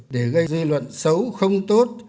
để gây dư luận xấu không tốt